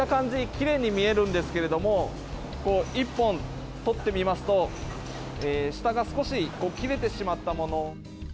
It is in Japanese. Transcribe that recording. きれいに見えるんですけれども、１本取ってみますと、下が少し切れてしまったもの。